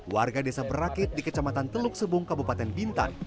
warga desa berakit di kecamatan teluk sebung kabupaten bintan